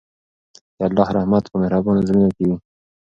د الله رحمت په مهربانو زړونو کې وي.